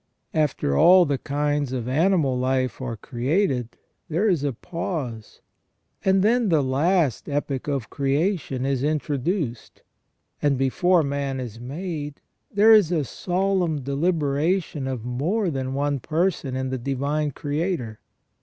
After all the kinds of animal life are created, there is a pause, and then the last epoch of creation is introduced, and before man is made, there is a solemn deliberation of more than one person in the Divine Creator.